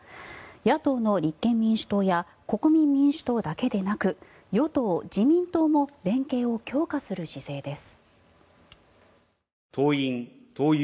野党の立憲民主党や国民民主党だけでなく与党・自民党も連携を強化する姿勢です。